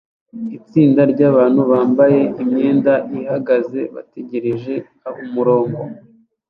yitsinda ryabantu bambaye imyenda ihagaze bategereje umurongo